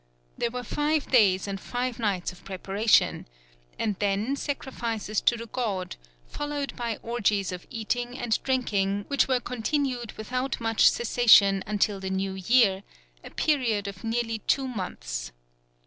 There were five days and five nights of preparation; and then sacrifices to the God, followed by orgies of eating and drinking which were continued without much cessation until the New Year, a period of nearly two months.